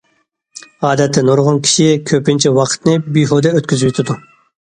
ئادەتتە نۇرغۇن كىشى كۆپىنچە ۋاقتىنى بىھۇدە ئۆتكۈزۈۋېتىدۇ.